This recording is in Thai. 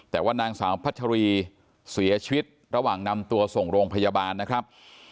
แต่ว่านางสาวพัชรีเสียชีวิตระหว่างนำตัวส่งโรงพยาบาลนะครับ